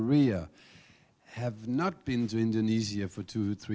tidak pernah pernah ke indonesia selama dua tiga tahun